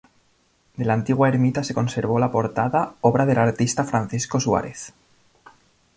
De la antigua ermita se conservó la portada, obra del artista Francisco Suárez.